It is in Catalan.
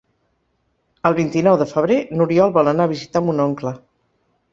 El vint-i-nou de febrer n'Oriol vol anar a visitar mon oncle.